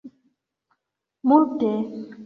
multe